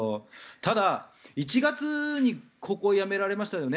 ただ、１月に高校を辞められましたよね。